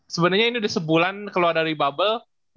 sebenernya ini udah sebulan keluar dari bubble